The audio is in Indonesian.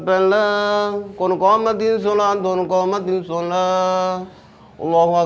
palingan hanya hari minggu aja